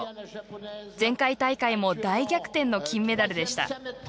前回大会も大逆転の金メダルでした。